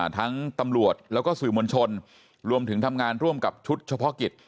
ทั้งตำรวจแล้วก็สื่อมวลชนรวมถึงทำงานร่วมกับชุดเฉพาะกิจ